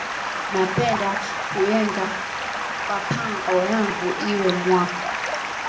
Napenda kuyenga pa pango yangu iyi mwaka